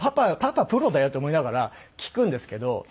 パパプロだよと思いながら聴くんですけど。